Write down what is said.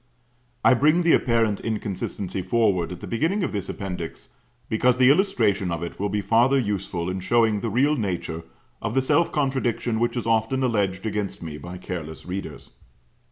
I bring the apparent inconsistency forward at the beginning of this Appendix, because the illustration of it will be farther useful in showing the real nature of the self contradiction which is often alleged against me by careless readers.